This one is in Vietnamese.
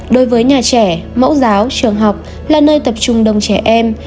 đối với nhà trẻ mẫu giáo trường học là nơi tập trung đông trẻ em